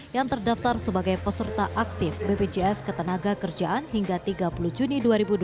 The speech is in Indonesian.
yang terdaftar sebagai peserta aktif bpjs ketenaga kerjaan hingga tiga puluh juni dua ribu dua puluh